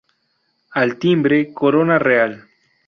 Al timbre, Corona Real.